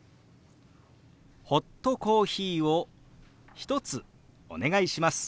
「ホットコーヒーを１つお願いします」。